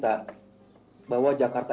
dulu wakang berangkat karena sering dengar cerita